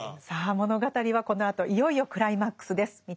さあ物語はこのあといよいよクライマックスです。